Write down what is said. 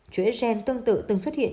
chủ yếu gen tương tự từng xuất hiện